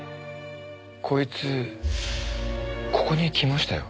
こいつここに来ましたよ。